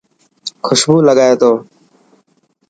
خوشبو لگائي تو.